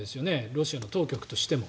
ロシアの当局としても。